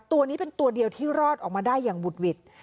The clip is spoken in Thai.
ตัวนี้เป็นตัวเดียวที่รอดออกมาได้อย่างบุดหวิด